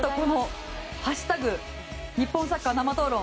この「＃日本サッカー生討論」